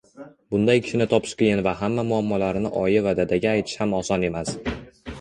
Bunday kishini topish qiyin va hamma muammolarini oyi va dadaga aytish ham oson emas